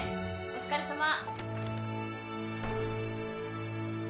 お疲れさま。